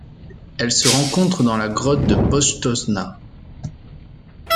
Elle se rencontre dans la grotte de Postojna.